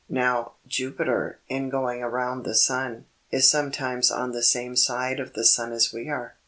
"Now, Jupiter, in going around the sun, is sometimes on the same side of the sun as we are.